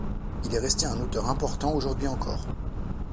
Il est resté un auteur important aujourd'hui encore.